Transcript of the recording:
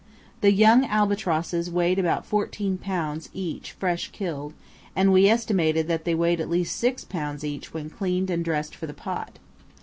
The young albatrosses weighed about fourteen pounds each fresh killed, and we estimated that they weighed at least six pounds each when cleaned and dressed for the pot.